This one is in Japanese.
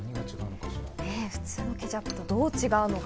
普通のケチャップとどう違うのか？